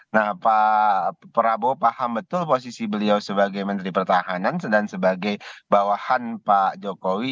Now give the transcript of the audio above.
nah pak prabowo paham betul posisi beliau sebagai menteri pertahanan dan sebagai bawahan pak jokowi